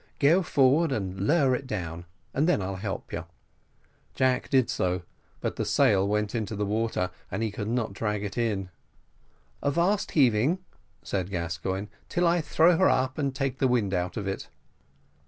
Go forward and lower it down, and then I'll help you." Jack did so, but the sail went into the water, and he could not drag it in. "Avast heaving," said Gascoigne, "till I throw her up and take the wind out of it."